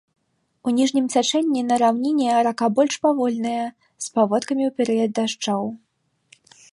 У ніжнім цячэнні на раўніне рака больш павольная, з паводкамі ў перыяд дажджоў.